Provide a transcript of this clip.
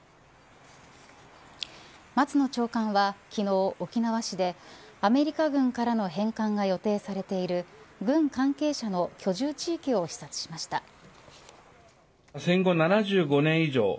松野長官は昨日沖縄市でアメリカ軍からの返還が予定されている軍関係者の居住地域を視察しました。